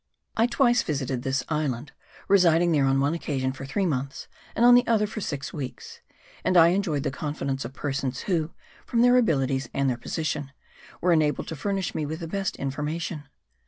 I twice visited this island, residing there on one occasion for three months, and on the other for six weeks; and I enjoyed the confidence of persons who, from their abilities and their position, were enabled to furnish me with the best information.